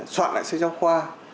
soạn lại xây giao khoa